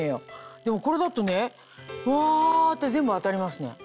でもこれだとフワって全部当たりますね。